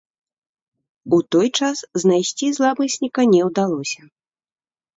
У той час знайсці зламысніка не ўдалося.